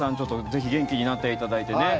ぜひ元気になっていただいてね。